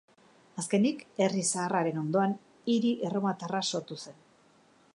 Azkenik, herri zaharraren ondoan hiri erromatarra sortu zen.